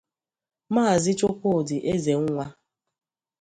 Maazị Chukwudị Ezenwa